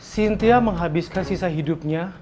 cynthia menghabiskan sisa hidupnya